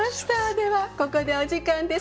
ではここでお時間です。